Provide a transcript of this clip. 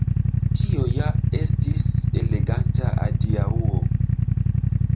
Tio ja estis eleganta adiaŭo.